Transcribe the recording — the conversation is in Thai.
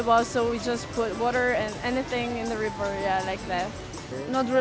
แกบอกว่ามีบ้าน